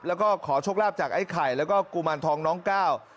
แล้วก็ขอโชคลาภจากไอ้ไข่แล้วก็กุมารทองน้องก้าว